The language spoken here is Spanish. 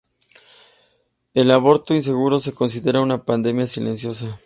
El aborto inseguro se considera una pandemia silenciosa.